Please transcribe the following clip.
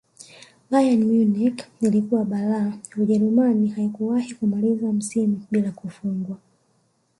bayern munich iliyokuwa balaa ujerumani haikuwahi kumaliza msimu bila kufungwa